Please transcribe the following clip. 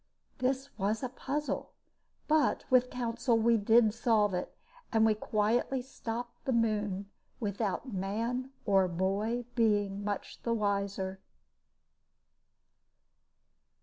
This was a puzzle. But, with counsel, we did solve it. And we quietly stopped the Moon, without man or boy being much the wiser.